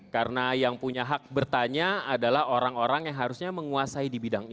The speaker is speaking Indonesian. karena yang punya hak bertanya adalah orang orang yang harusnya menguasai di bidang ini